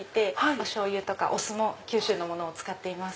おしょうゆとかお酢も九州のものを使っています。